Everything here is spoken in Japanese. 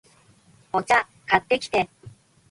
お茶、買ってきて